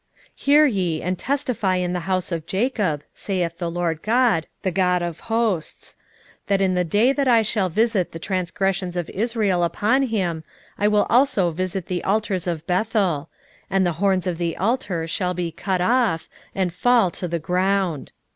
3:13 Hear ye, and testify in the house of Jacob, saith the Lord GOD, the God of hosts, 3:14 That in the day that I shall visit the transgressions of Israel upon him I will also visit the altars of Bethel: and the horns of the altar shall be cut off, and fall to the ground.